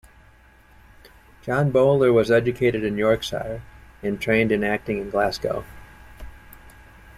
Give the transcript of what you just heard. John Bowler was educated in Yorkshire, and trained in acting in Glasgow.